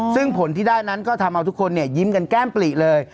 ซึ่งผลที่ได้อนั้นก็ทำให้จิ้มในแก้มปลีเลย